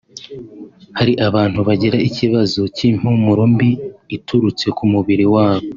Hari abantu bagira ikibazo cy’impumuro mbi iturutse k’umubiri wabo